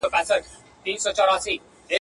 دا د جرګو دا د وروریو وطن!